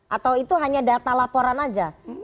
atau itu hanya data laporan saja